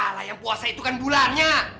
nah yang puasa itu kan bulannya